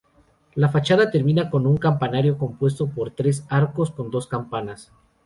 La fachada termina con un campanario compuesto por tres arcos con dos campanas.